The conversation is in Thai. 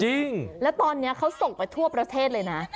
จริงแล้วตอนนี้เขาส่งไปทั่วประเทศเลยนะ